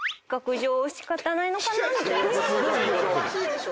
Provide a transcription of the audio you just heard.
おかしいでしょ。